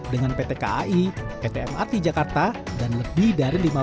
dengan pt kai pt mrt jakarta dan lebih dari lima belas perusahaan